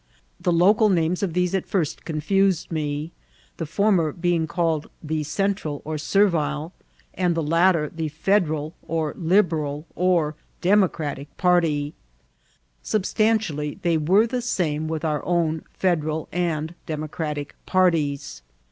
The local names of these at first confu sed me, the former being calle4 the Central or Servile, and the latter the Esderal or Liberal, or Democratic party. Substantially they were the same with our own Federal and Democratic parties.